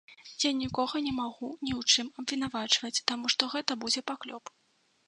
Я нікога не магу ні ў чым абвінавачваць, таму што гэта будзе паклёп.